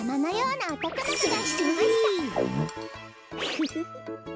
フフフフ。